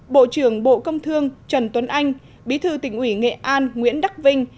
bộ trưởng bộ công thương trần tuấn anh bí thư tỉnh ủy nghệ an nguyễn đắc vinh